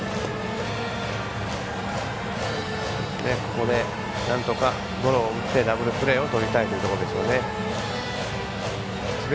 ここで、なんとかゴロを打ってダブルプレーをとりたいというところでしょうね。